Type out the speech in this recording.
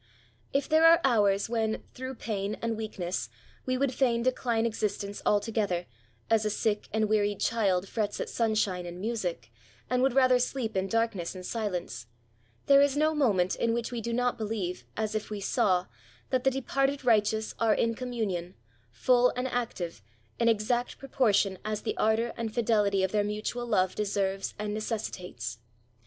If there are hours when, through pain and weakness, we would fain decline existence alto gether, as a sick and wearied child frets at sun^ shine and music, and would rather sleep in dark ^ ness and silence, there is no moment in which we do not believe, as if we saw, that the departed righteous are in communion, full and active, in exact proportion as the ardour and fidelity of their mutual love deserves and necessitates.